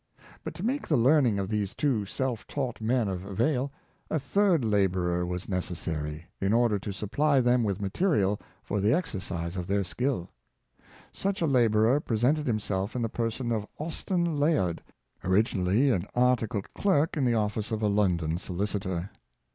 But to make the learning of these two self taught men of avail, a third laborer was necessary, in order to supply them with material for the exercise of their skill. Such a laborer presented himself in the person of Aus ten Layard, originally an articled clerk in the office of a London solicitor.